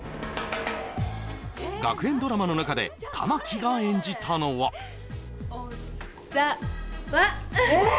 学園ドラマの中で玉木が演じたのはオザワええ